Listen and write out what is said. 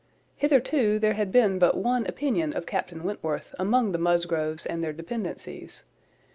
Hitherto there had been but one opinion of Captain Wentworth among the Musgroves and their dependencies.